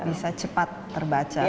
bisa cepat terbaca